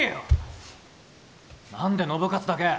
何で信勝だけ！？